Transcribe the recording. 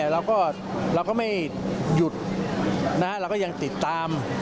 เราก็ไม่หยุดเราก็ยังติดตาม